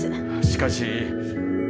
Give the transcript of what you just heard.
しかし。